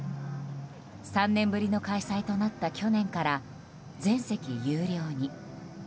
３年ぶりの開催となった去年から全席有料に。